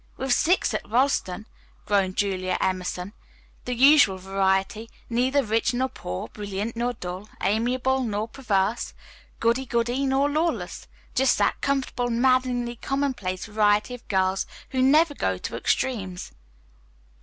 "We've six at Ralston," groaned Julia Emerson. "The usual variety neither rich nor poor, brilliant nor dull, amiable nor perverse, goody goody nor lawless. Just that comfortable, maddeningly commonplace variety of girls who never go to extremes."